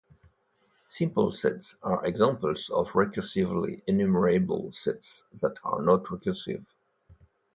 Simple sets are examples of recursively enumerable sets that are not recursive.